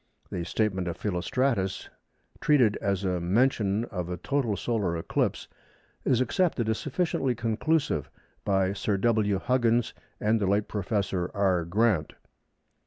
The statement of Philostratus, treated as a mention of a total solar eclipse, is accepted as sufficiently conclusive by Sir W. Huggins and the late Professor R. Grant.